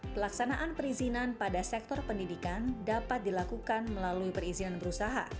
pelaksanaan perizinan pada sektor pendidikan dapat dilakukan melalui perizinan berusaha